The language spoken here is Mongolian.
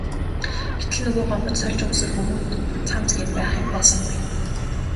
Гэтэл нөгөө Гомбод сольж өмсөх өмд цамц гээд байх юм байсангүй.